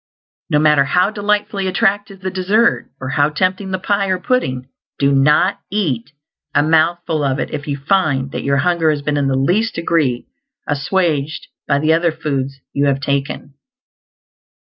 No matter how delightfully attractive the dessert, or how tempting the pie or pudding, do not eat a mouthful of it if you find that your hunger has been in the least degree assuaged by the other foods you have taken.